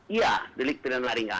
iya delik pidana ringan